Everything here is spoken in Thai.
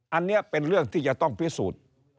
อันนี้เป็นเรื่องที่จะต้องพิสูจน์